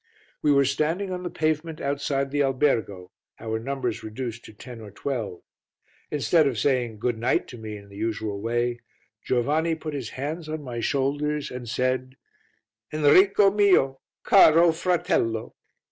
We were standing on the pavement outside the albergo, our numbers reduced to ten or twelve; instead of saying "Good night" to me in the usual way, Giovanni put his hands on my shoulders and said "Enrico mio! Caro fratello!